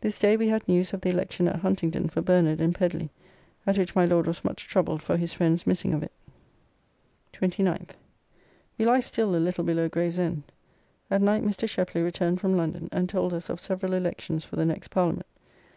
This day we had news of the election at Huntingdon for Bernard and Pedly, at which my Lord was much troubled for his friends' missing of it. 29th. We lie still a little below Gravesend. At night Mr. Sheply returned from London, and told us of several elections for the next Parliament.